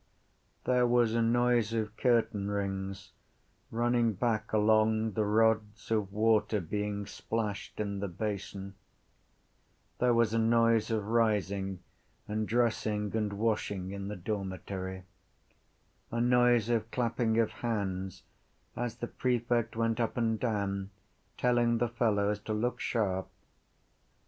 There was a noise of curtainrings running back along the rods, of water being splashed in the basins. There was a noise of rising and dressing and washing in the dormitory: a noise of clapping of hands as the prefect went up and down telling the fellows to look sharp.